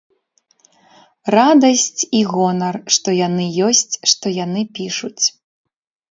Радасць і гонар, што яны ёсць, што яны пішуць.